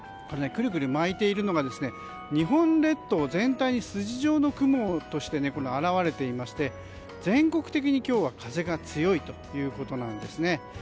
ぐるぐる巻いているのが日本列島全体に筋状の雲として表れていまして全国的に今日は風が強いということなんですね。